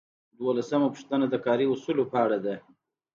دولسمه پوښتنه د کاري اصولو په اړه ده.